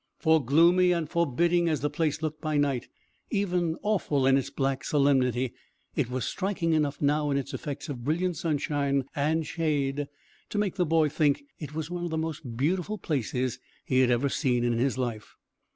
For gloomy and forbidding as the place looked by night, even awful in its black solemnity, it was striking enough now in its effects of brilliant sunshine and shade to make the boy think it was one of the most beautiful places he had ever seen in his life.